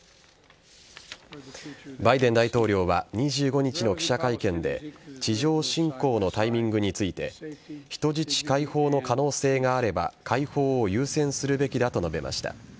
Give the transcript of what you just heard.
バイデン大統領は２５日の記者会見で地上侵攻のタイミングについて人質解放の可能性があれば解放を優先するべきだと述べました。